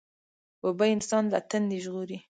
اوبه انسان له تندې ژغوري.